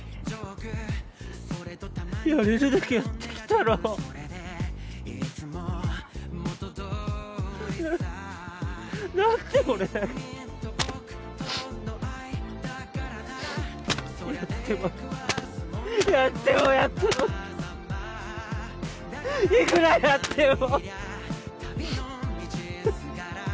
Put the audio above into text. やれるだけやってきたろなん何で俺やってもやってもやってもっいくらやっても！